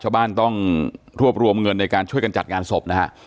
ชาวบ้านต้องรวบรวมเงินในการช่วยกันจัดงานศพนะฮะ